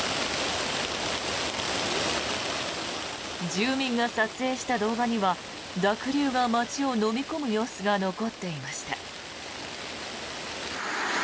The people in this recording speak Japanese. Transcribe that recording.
住民が撮影した動画には濁流が街をのみ込む様子が残っていました。